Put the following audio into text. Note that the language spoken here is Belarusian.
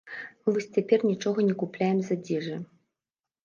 Мы вось цяпер нічога не купляем з адзежы.